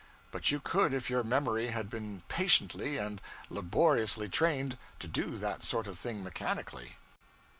But you could if your memory had been patiently and laboriously trained to do that sort of thing mechanically.